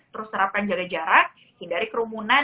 terus terapkan jaga jarak hindari kerumunan